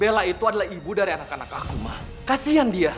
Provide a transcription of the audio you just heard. bella itu adalah ibu dari anak anak aku mah kasihan dia